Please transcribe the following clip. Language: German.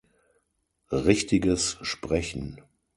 Richtiges Sprechen.